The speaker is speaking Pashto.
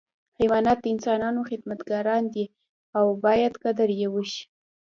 حیوانات د انسانانو خدمتګاران دي او باید قدر یې وشي.